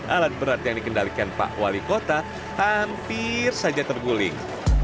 alat berat yang dikendalikan pak wali kota hampir saja terguling